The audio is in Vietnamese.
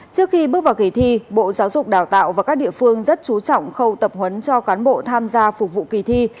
trước khi bước vào kỳ thi bộ giáo dục đào tạo và các địa phương rất chú trọng khâu tập huấn cho cán bộ tham gia phục vụ kỳ thi